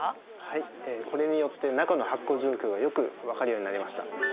はいこれによって中の発酵状況がよく分かるようになりました